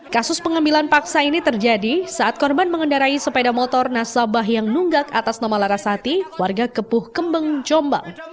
kasus pengambilan paksa ini terjadi saat korban mengendarai sepeda motor nasabah yang nunggak atas nama larasati warga kepuh kembeng jombang